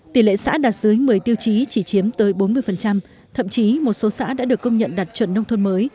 tỷ lệ xã đạt dưới một mươi tiêu chí chỉ chiếm tới bốn mươi thậm chí một số xã đã được công nhận đạt chuẩn nông thôn mới